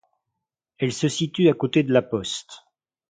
Elle se situe à côté de la Poste.